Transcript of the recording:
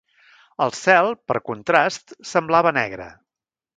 El cel, per contrast, semblava negre.